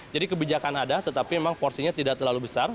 jadi kebijakan ada tetapi memang porsinya tidak terlalu besar